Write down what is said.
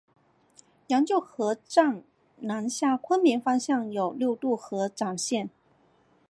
羊臼河站南下昆明方向有六渡河展线。